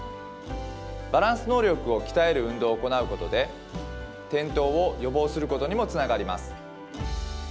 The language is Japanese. バランス能力を鍛える運動を行うことで転倒を予防することにもつながります。